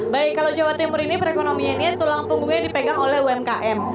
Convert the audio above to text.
baik kalau jawa timur ini perekonomiannya tulang punggungnya dipegang oleh umkm